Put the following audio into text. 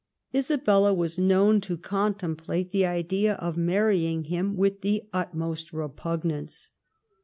'* Isabella was known to contemplate the idea of marry ing him with the utmost repugnance.